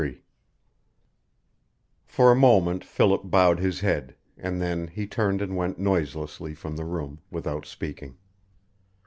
XXIII For a moment Philip bowed his head, and then he turned and went noiselessly from the room, without speaking.